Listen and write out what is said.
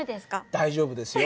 大丈夫ですよ。